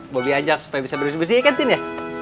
bobby ajak supaya bisa bersihin bersihin ya